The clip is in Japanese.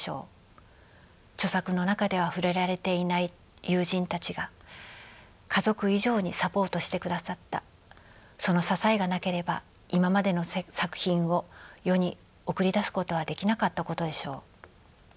著作の中では触れられていない友人たちが家族以上にサポートしてくださったその支えがなければ今までの作品を世に送り出すことはできなかったことでしょう。